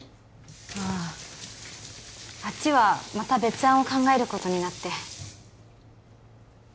あああっちはまた別案を考えることになって